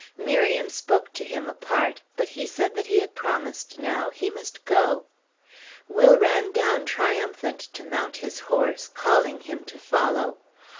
Miriam spoke to him apart, but he said he had promised now; he must go. Will ran down triumphant to mount his horse, calling him to follow.